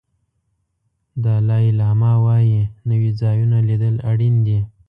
دالای لاما وایي نوي ځایونه لیدل اړین دي.